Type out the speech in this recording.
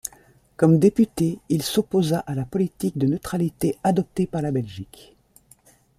Comme député il s'opposa à la politique de neutralité adoptée par la Belgique.